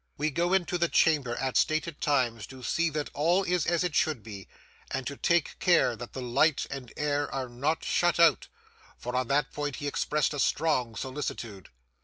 We go into the chamber at stated times to see that all is as it should be, and to take care that the light and air are not shut out, for on that point he expressed a strong solicitude.